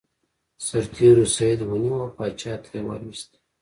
سرتیرو سید ونیو او پاچا ته یې ور وست.